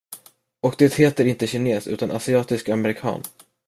Och det heter inte kines, utan asiatisk amerikan.